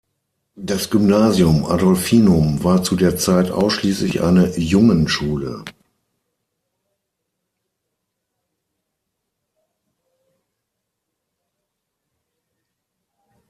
Das Gymnasium Adolfinum war zu der Zeit ausschließlich eine Jungenschule.